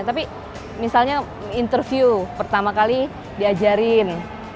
tapi misalnya interview pertama kali diajarin